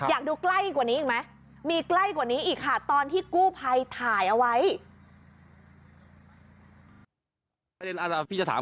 อยากดูใกล้กว่านี้อีกไหม